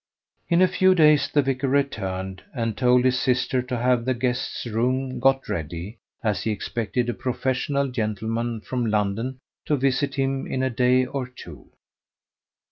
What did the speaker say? In a few days the vicar returned, and told his sister to have the guest's room got ready, as he expected a professional gentleman from London to visit him in a day or two.